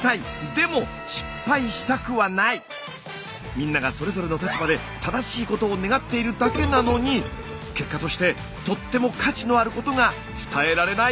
みんながそれぞれの立場で正しいことを願っているだけなのに結果としてとっても価値のあることが伝えられない！